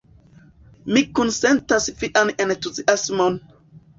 Mi kunsentas vian entuziasmon!